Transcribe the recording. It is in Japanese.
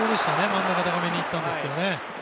真ん中高めに行ったんですけど。